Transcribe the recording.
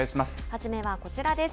初めはこちらです。